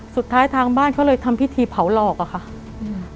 สุดท้ายทางบ้านเขาเลยทำพิธีเผาหลอกอะค่ะอืม